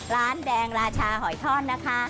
ร้านแดงราชาหอยท่อนนะคะ